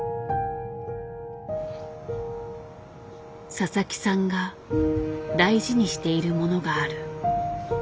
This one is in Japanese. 佐々木さんが大事にしているものがある。